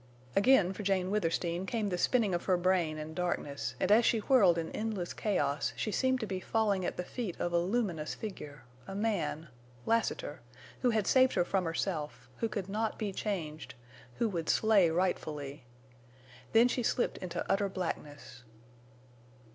Again for Jane Withersteen came the spinning of her brain in darkness, and as she whirled in endless chaos she seemed to be falling at the feet of a luminous figure—a man—Lassiter—who had saved her from herself, who could not be changed, who would slay rightfully. Then she slipped into utter blackness.